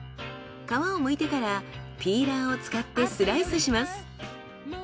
皮を剥いてからピーラーを使ってスライスします。